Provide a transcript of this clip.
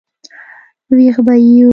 وېښ به یو.